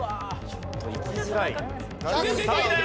ちょっといきづらい。